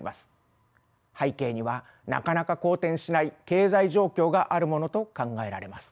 背景にはなかなか好転しない経済状況があるものと考えられます。